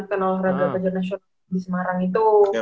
penelor radar pajar nasional di semarang itu